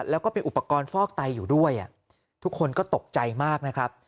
แล้วก็มีอุปกรณ์ฟอกไตอยู่ด้วยทุกคนก็ตกใจมากนะครับ